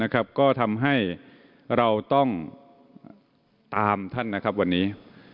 ก็ทำให้เราต้องตามท่านนะครับวันนี้